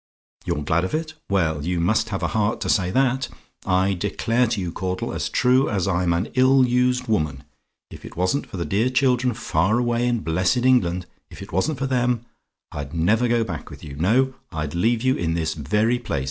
"YOU'RE GLAD OF IT? "Well, you must have a heart to say that. I declare to you, Caudle, as true as I'm an ill used woman, if it wasn't for the dear children far away in blessed England if it wasn't for them, I'd never go back with you. No: I'd leave you in this very place.